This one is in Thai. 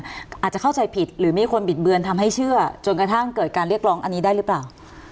อาจจะเข้าใจผิดหรือมีคนบิดเบือนทำให้เชื่อจนกระทั่งเกิดการเรียกร้องอันนี้ได้หรือเปล่า